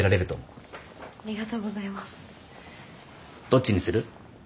どっちにする？